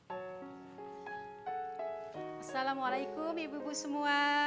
assalamualaikum ibu ibu semua